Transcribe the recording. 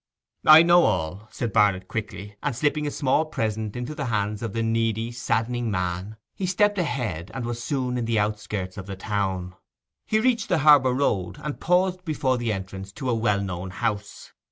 'I know all,' said Barnet quickly; and slipping a small present into the hands of the needy, saddening man, he stepped ahead and was soon in the outskirts of the town. He reached the harbour road, and paused before the entrance to a well known house.